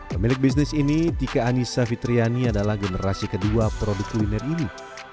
pemilik bisnis ini tika anissa fitriani adalah generasi kedua produk kuliner ini